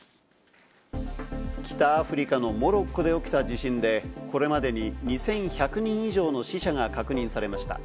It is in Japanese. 北アフリカのモロッコで起きた地震で、これまでに２１００人以上の死者が確認されました。